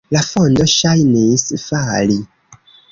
La mondo ŝajnis fali.